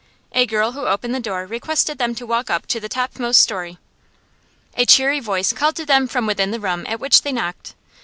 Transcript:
A girl who opened the door requested them to walk up to the topmost storey. A cheery voice called to them from within the room at which they knocked.